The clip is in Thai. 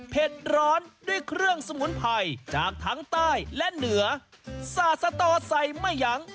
ร้อนด้วยเครื่องสมุนไพรจากทั้งใต้และเหนือสาดสตอใส่ไม่ยั้ง